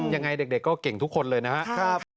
ยังไงเด็กก็เก่งทุกคนเลยนะครับ